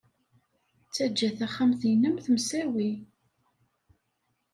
Ttajja taxxamt-nnem temsawi.